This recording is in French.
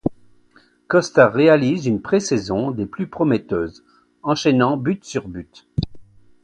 Costa réalise une pré-saison des plus prometteuse, enchaînant but sur but.